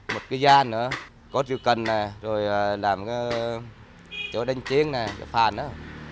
một cái gian nữa cốt rượu cần này rồi làm cái chỗ đánh chiến này cái phàn đó